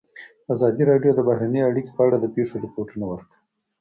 ازادي راډیو د بهرنۍ اړیکې په اړه د پېښو رپوټونه ورکړي.